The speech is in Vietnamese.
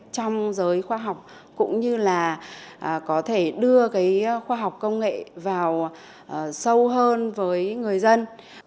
trong giới khoa học cũng như là có thể đưa khoa học công nghệ vào sâu hơn với người dân